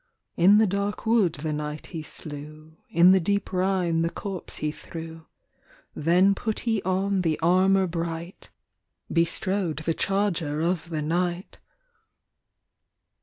In the dark wood the knight he slew; In the deep Rhine the corpse he threw. Then put he on the armour bright ; Bestrode the charger of the knight.